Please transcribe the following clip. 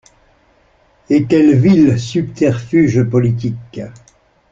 Et quels vils subterfuges politiques!